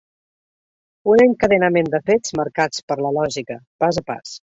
Un encadenament de fets, marcats per la lògica, pas a pas.